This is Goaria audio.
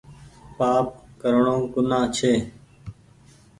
پآپ ڪرڻو گناه ڇي